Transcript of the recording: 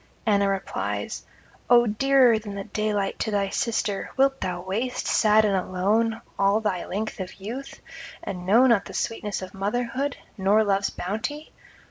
Anna replies: 'O dearer than the daylight to thy sister, wilt thou waste, sad and alone, all thy length of youth, and know not the sweetness of motherhood, nor love's bounty?